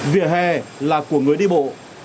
vỉa hè là của người đi bộ